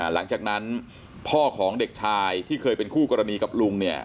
หลังจากนั้นพ่อของเด็กชายที่เคยเป็นคู่กรณีกับลุงเนี่ย